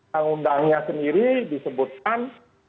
tanggung undangnya sendiri disebutkan